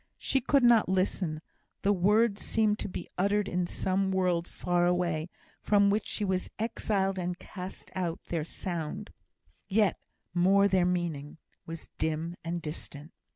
She could not listen. The words seemed to be uttered in some world far away, from which she was exiled and cast out; their sound, and yet more their meaning, was dim and distant.